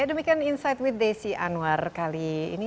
ya demikian insight with desi anwar kali ini